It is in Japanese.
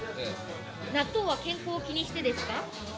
納豆は健康を気にしてですか？